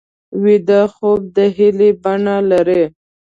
ویده خوب د هیلې بڼه لري